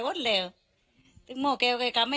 โปรดติดตามต่อไป